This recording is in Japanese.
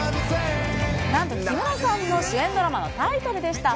なんと木村さんの主演ドラマのタイトルでした。